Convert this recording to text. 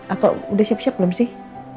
aku udah siap siap belum sih